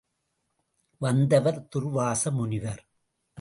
வந்தவர் துர்வாச முனிவர்.